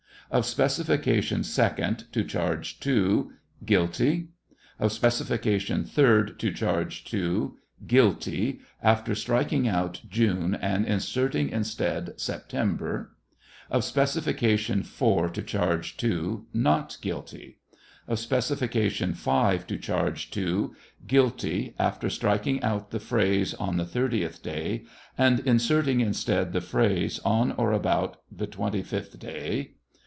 Of specification second to charge II, "guilty," Of specification third to charge II, " guilty," after striking out " June," and inserting instead " September." , Of specification four to charge II, " not guilty." Of specification five to charge II, " guilty," after striking out the phrase " on the thirtieth day," and inserting instead the phrase, " on or about the twenty fifth day."